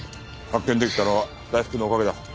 発見できたのは大福のおかげだ。